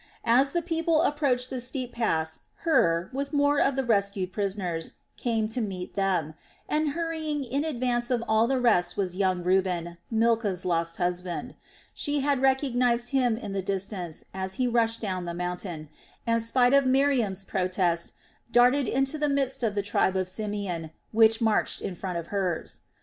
As the people approached the steep pass Hur, with more of the rescued prisoners, came to meet them, and hurrying in advance of all the rest was young Reuben, Milcah's lost husband. She had recognized him in the distance as he rushed down the mountain and, spite of Miriam's protest, darted into the midst of the tribe of Simeon which marched in front of hers.